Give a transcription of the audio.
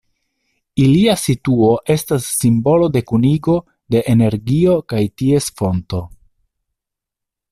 Ilia situo estas simbolo de kunigo de energio kaj ties fonto.